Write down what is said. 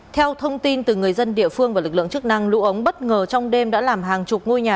theo thông tin từ người dân địa phương và lực lượng chức năng lũ ống bất ngờ trong đêm đã làm hàng chục ngôi nhà